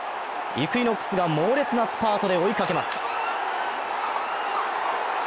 イクイノックスが猛烈なスパートで追いかけます。